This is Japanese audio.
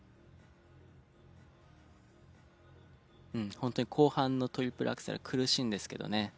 本当に後半のトリプルアクセル苦しいんですけどね。